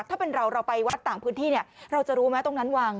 ถ้าเป็นเราเราไปวัดต่างพื้นที่เนี่ยเราจะรู้ไหมตรงนั้นวัง